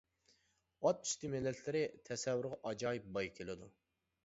ئات ئۈستى مىللەتلىرى تەسەۋۋۇرغا ئاجايىپ باي كېلىدۇ.